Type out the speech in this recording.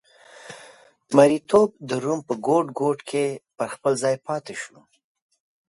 مریتوب د روم په ګوټ ګوټ کې پر خپل ځای پاتې شو